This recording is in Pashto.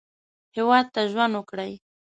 هېواد ته ژوند وکړئ